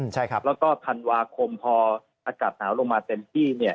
แล้วก็ธันวาคมพออากาศหนาวลงมาเต็มที่เนี่ย